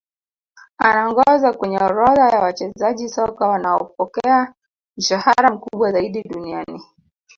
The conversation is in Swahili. Anaongoza kwenye orodha ya wachezaji soka wanaopokea mshahara mkubwa zaidi duniani